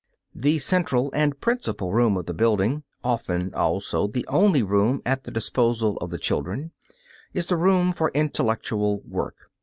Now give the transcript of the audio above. The central and principal room of the building, often also the only room at the disposal of the children, is the room for "intellectual work."